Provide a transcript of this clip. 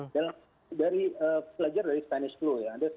dan dari pelajaran dari spanish flu ya